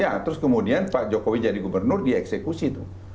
ya terus kemudian pak jokowi jadi gubernur dia eksekusi tuh